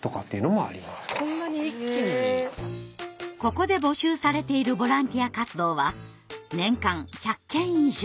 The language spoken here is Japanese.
ここで募集されているボランティア活動は年間１００件以上。